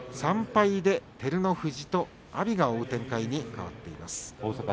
３敗で照ノ富士と阿炎が追う展開に変わっています。